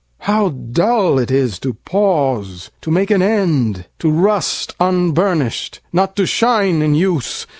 How dull it is to pause, to make an end, To rust unburnish'd, not to shine in use!